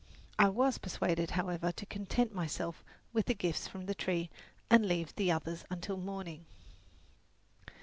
I was persuaded, however, to content myself with the gifts from the tree and leave the others until morning.